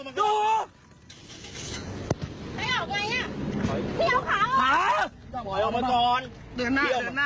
พี่เอาขาข้างนี้ออกมา